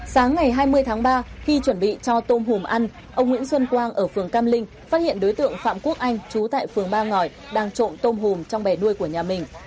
sáng ngày hai mươi tháng ba khi chuẩn bị cho tôm hùm ăn ông nguyễn xuân quang ở phường cam linh phát hiện đối tượng phạm quốc anh trú tại phường ba ngỏi đang trộm tôm hùm trong bè nuôi của nhà mình